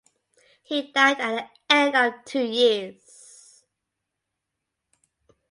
He died at the end of two years.